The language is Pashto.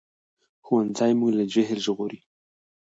ښوونځی موږ له جهل ژغوري